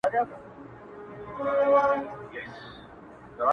په لوی ښار کي یوه لویه وداني وه -